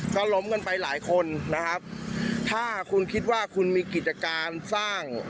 ก็ล้มกันไปหลายคนนะครับถ้าคุณคิดว่าคุณมีกิจการสร้าง